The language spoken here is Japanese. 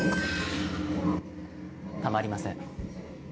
たまりません。